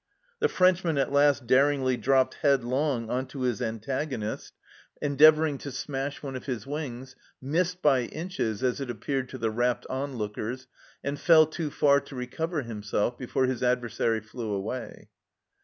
The Frenchman at last daringly dropped headlong on to his antagonist, 182 THE CELLAR HOUSE OF PERVYSE endeavouring to smash one of his wings, missed by inches, as it appeared to the rapt onlookers, and fell too far to recover himself before his adversary flew away.